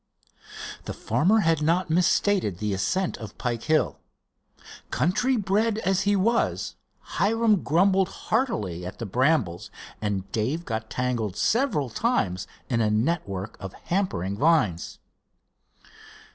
The farmer had not misstated the ascent of Pike Hill. Country bred as he was, Hiram grumbled heartily at the brambles, and Dave got tangled several times in a network of hampering vines.